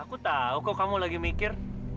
aku tahu kok kamu lagi mikir